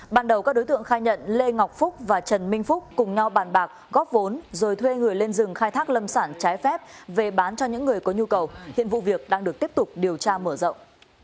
ban đầu các đối tượng khai nhận lê ngọc phúc và trần minh phúc cùng nhau bàn bạc góp vốn rồi thuê người lên rừng khai thác lâm sản trái phép về bán cho những người có nhu cầu hiện vụ việc đang được tiếp tục điều tra mở rộng